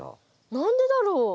何でだろう？